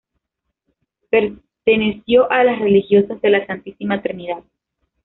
Perteneció a las Religiosas de la Santísima Trinidad.